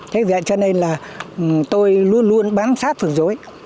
thế vì vậy cho nên là tôi luôn luôn bán sát phường dối